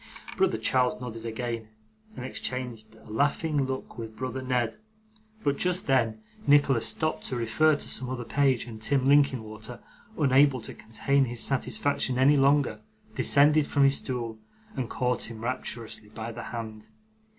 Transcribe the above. Brother Charles nodded again, and exchanged a laughing look with brother Ned; but, just then, Nicholas stopped to refer to some other page, and Tim Linkinwater, unable to contain his satisfaction any longer, descended from his stool, and caught him rapturously by the hand.